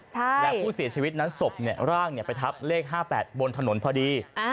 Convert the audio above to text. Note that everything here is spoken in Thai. และผู้เสียชีวิตนั้นศพร่างไปทับเลข๕๘บนถนนพอดี